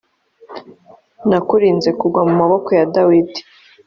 nakurinze kugwa mu maboko ya dawidi